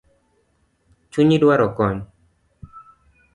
Chunyi dwaro kony